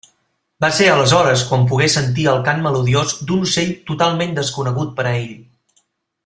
Va ser aleshores quan pogué sentir el cant melodiós d'un ocell totalment desconegut per a ell.